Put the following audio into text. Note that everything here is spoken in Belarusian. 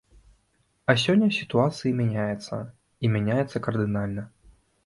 А сёння сітуацыі мяняецца, і мяняецца кардынальна.